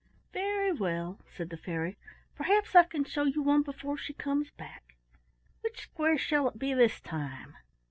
"Very well," said the fairy. "Perhaps I can show you one before she comes back. Which square shall it be this time?"